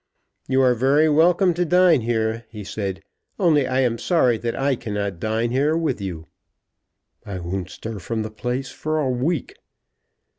"You are very welcome to dine here," he said, "only I am sorry that I cannot dine here with you." "I won't stir from the place for a week."